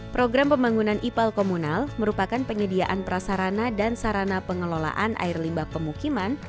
program pembangunan ipal komunal merupakan penyediaan prasarana dan sarana pengelolaan air limbah pemukiman